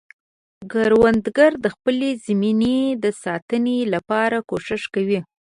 کروندګر د خپلې زمینې د ساتنې لپاره کوښښ کوي